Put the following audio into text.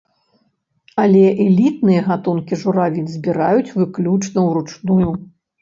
Але элітныя гатункі журавін збіраюць выключна ўручную.